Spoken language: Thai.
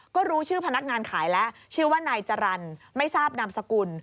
ก็รู้ชื่อพนักงานขายแล้วชื่อว่านายจรรย์ไม่ทราบนามสกุล